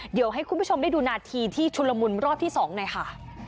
เดี๋ยวให้คุณผู้ชมได้ดูนาทีที่ชุลมุนรอบที่๒หน่อยค่ะ